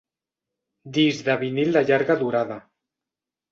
Disc de vinil de llarga durada.